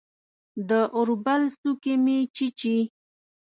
د اوربل څوکې مې چیچي